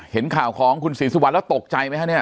เห็นข่าวของคุณศรีสุวรรณแล้วตกใจไหมฮะเนี่ย